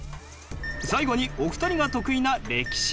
最後にお二人が得意な歴史。